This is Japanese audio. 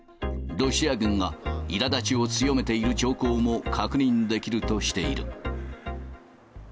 ロシア軍がいらだちを強めている兆候も確認できるとしている。